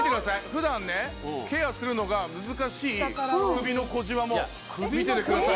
普段ねケアするのが難しい首の小じわも見ててください